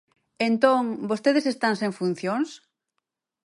Entón ¿vostedes están sen funcións?